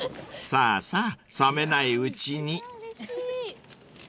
［さあさあ冷めないうちに］